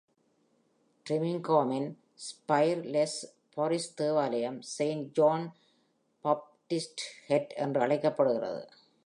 டிரிமிங்ஹாமின் spireless parish தேவாலயம் Saint John Baptist Head என்று அழைக்கப்படுகிறது.